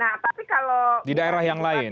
nah tapi kalau di daerah yang lain